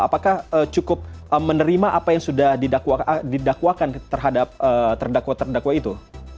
apakah cukup menerima apa yang sudah didakwakan terhadap terdakwa terdakwa itu